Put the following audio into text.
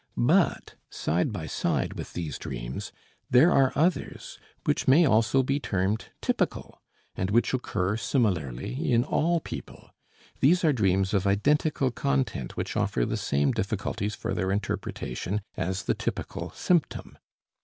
But side by side with these dreams there are others which may also be termed "typical" and which occur similarly in all people. These are dreams of identical content which offer the same difficulties for their interpretation as the typical symptom.